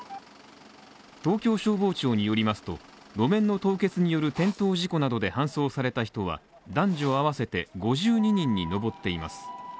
東京消防庁によりますと、路面の凍結による転倒事故などで搬送された人は男女合わせて５２人にのぼっています。